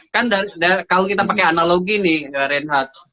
kan kalau kita pakai analogi nih reinhardt